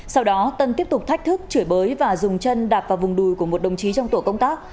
sau đó tân tiếp tục thách thức chửi bới và dùng chân đạp vào vùng đùi của một đồng chí trong tổ công tác